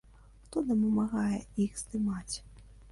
Хто дапамагае іх здымаць?